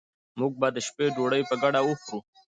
موږ به د شپې ډوډي په ګډه وخورو